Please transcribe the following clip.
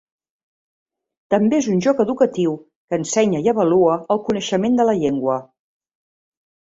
També és un joc educatiu que ensenya i avalua el coneixement de la llengua.